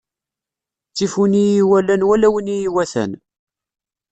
Ttif win i yi-iwalan wala win i yi-iwatan.